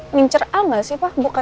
ngincer al gak sih pak